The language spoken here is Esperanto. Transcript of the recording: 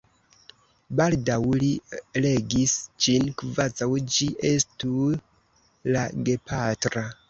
Baldaŭ li regis ĝin kvazaŭ ĝi estu la gepatra.